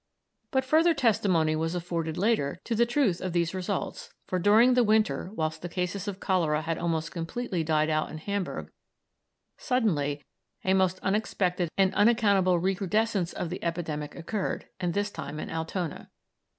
But further testimony was afforded later to the truth of these results, for during the winter, whilst the cases of cholera had almost completely died out in Hamburg, suddenly a most unexpected and unaccountable recrudescence of the epidemic occurred, and this time in Altona.